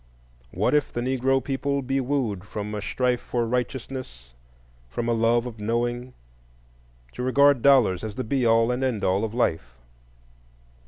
What if the Negro people be wooed from a strife for righteousness, from a love of knowing, to regard dollars as the be all and end all of life?